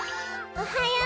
おはよう！